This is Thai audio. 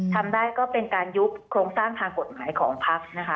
ทำได้ก็เป็นการยุบโครงสร้างทางกฎหมายของพักนะคะ